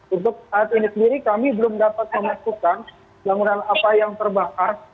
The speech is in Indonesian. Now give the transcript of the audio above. untuk saat ini sendiri kami belum dapat memastikan bangunan apa yang terbakar